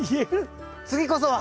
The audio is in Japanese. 次こそは！